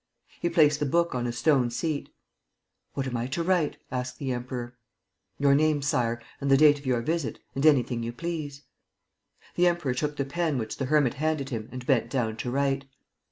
He placed the book on a stone seat. "What am I write?" asked the Emperor. "Your name, Sire, and the date of your visit ... and anything you please." The Emperor took the pen which the hermit handed him and bent down to write.